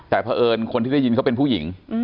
แต่เพราะเอิญคนที่ได้ยินเขาเป็นผู้หญิง